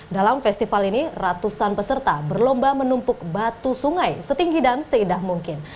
dalam festival ini ratusan peserta berlomba menumpuk batu sungai setinggi dan seindah mungkin